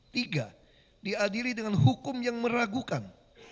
tiga diadiri dengan hukum yang meragukan